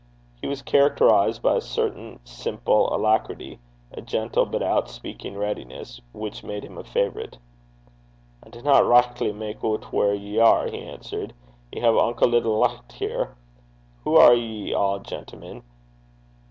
He was characterized by a certain simple alacrity, a gentle, but outspeaking readiness, which made him a favourite. 'I dinna richtly mak' oot wha ye are,' he answered. 'Ye hae unco little licht here! Hoo are ye a', gentlemen?